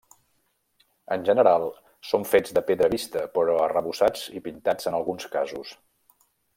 En general, són fets de pedra vista, però arrebossats i pintats en alguns casos.